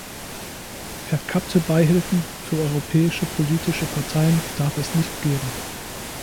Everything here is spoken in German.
Verkappte Beihilfen für europäische politische Parteien darf es nicht geben.